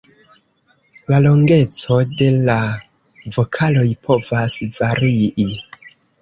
La longeco de la vokaloj povas varii.